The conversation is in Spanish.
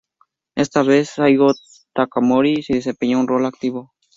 Esta vez, Saigo Takamori si desempeñó un rol activo.